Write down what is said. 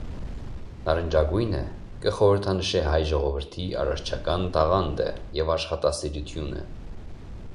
Նարնջագոյնը կը խորհրդանշէ հայ ժողովուրդի արարչական տաղանդը եւ աշխատասիրութիւնը։